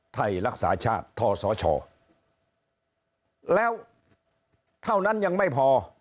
ไทยรักษาชาติทศชแล้วเท่านั้นยังไม่พอ